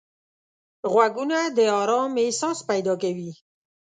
غوږونه د آرام احساس پیدا کوي